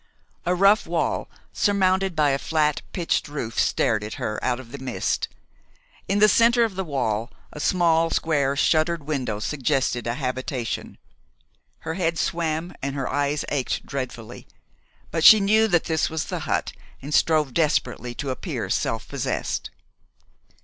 A rough wall, surmounted by a flat pitched roof, stared at her out of the mist. In the center of the wall a small, square, shuttered window suggested a habitation. Her head swam, and her eyes ached dreadfully; but she knew that this was the hut, and strove desperately to appear self possessed.